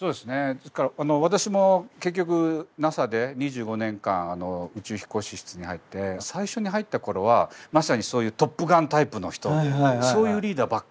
ですから私も結局ＮＡＳＡで２５年間宇宙飛行士室に入って最初に入った頃はまさにそういう「トップガン」タイプの人そういうリーダーばっかりです。